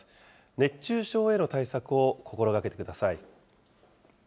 熱中症への対策を心がけてください。